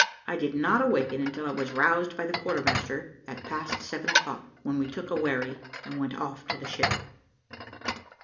I did not awaken until I was roused by the quarter master, at past seven o'clock, when we took a wherry, and went off to the ship.